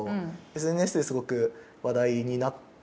ＳＮＳですごく話題になった。